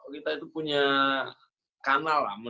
kita punya kanal lah